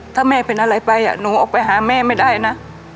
ถ้าแม่เป็นอะไรไปหนูออกไปหาแม่ไม่ได้นะ